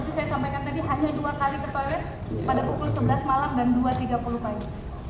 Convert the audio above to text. seperti saya sampaikan tadi hanya dua kali ke toilet pada pukul sebelas malam dan dua tiga puluh pagi